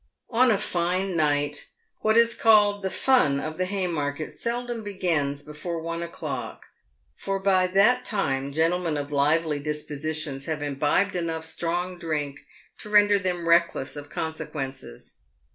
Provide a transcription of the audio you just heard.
On a fine night, what is called "the fun" of the Haymarket seldom begins before one o'clock, for by that time gentlemen of lively dispositions have imbibed enough strong drink to render them reckless of consequences.